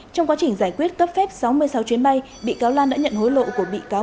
trong quá trình giải quyết cấp phép sáu mươi sáu chuyến bay bị cáo lan đã nhận hối lộ của bị cáo